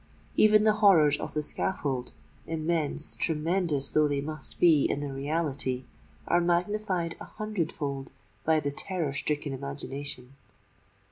Even the horrors of the scaffold, immense—tremendous though they must be in the reality, are magnified a hundred fold by the terror stricken imagination!